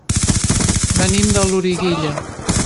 Venim de Loriguilla.